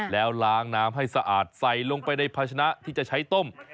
แล้วล้างน้ำให้สะอาดใส่ลงไปในภาชนะที่จะใช้ต้ม